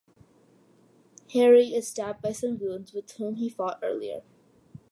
Hari is stabbed by some goons with whom he fought earlier.